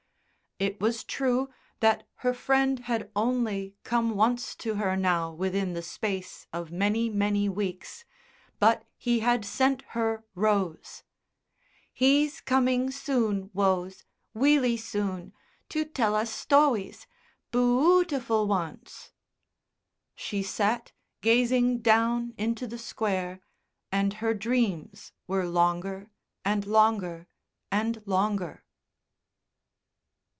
It was true that her friend had only come once to her now within the space of many, many weeks, but he had sent her Rose. "He's coming soon, Wose weally soon to tell us stowies. Bu ootiful ones." She sat, gazing down into the Square, and her dreams were longer and longer and longer.